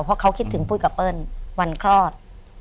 เพราะเขาคิดถึงปุ้ยกับเปิ้ลวันคลอด